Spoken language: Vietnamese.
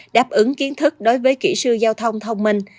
đáp ứng kiến thức đối với kỹ sư giao thông thông minh